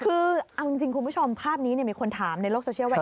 คือเอาจริงคุณผู้ชมภาพนี้มีคนถามในโลกโซเชียลว่า